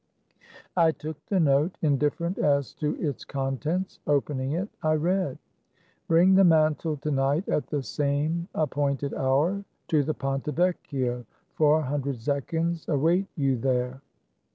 I took the note, indifferent as to its contents. Opening it I read :" Bring the mantle to night, at the same appointed hour, to the Ponte Vecchio ; four hundred zechins await you there."